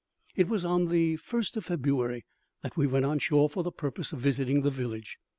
It was on the first of February that we went on shore for the purpose of visiting the village.